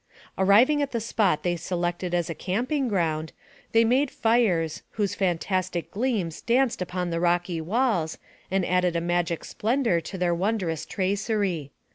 Arriving at the spot they selected as n camping ground, they made fires, whose fantastic gleams danced upon the rocky walls, and added a magic splendor to their wondrous tracery.